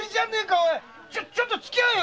ちょっと付き合えよ。